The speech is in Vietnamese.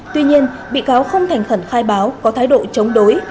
tuy nhiên bị cáo không thành khẩn khai báo có thái độ chống đối